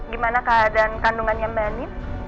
gimana keadaan kandungannya mbak nin